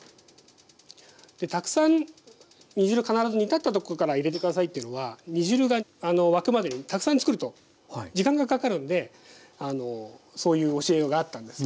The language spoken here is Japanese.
たくさん煮汁必ず煮立ったところから入れて下さいというのは煮汁が沸くまでにたくさんつくると時間がかかるんでそういう教えがあったんです。